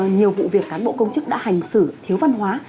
nhiều vụ việc cán bộ công chức đã hành xử thiếu văn hóa